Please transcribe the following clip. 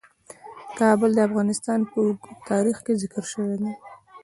کابل د افغانستان په اوږده تاریخ کې ذکر شوی دی.